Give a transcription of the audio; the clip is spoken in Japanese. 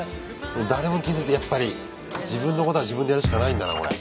誰も気付いてやっぱり自分のことは自分でやるしかないんだなこれ。